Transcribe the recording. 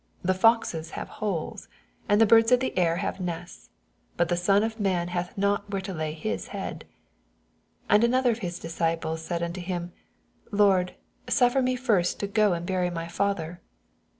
The foxes have holes, and the birds of the ur have nests ; but the Son of man hath not where to lay hie head. 21 And another of his disciples said unto him, Lord, suffer me first to go and bray my father.